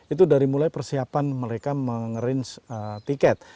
itu dari mulai persiapan mereka mengerange tiket